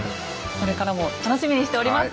これからも楽しみにしております。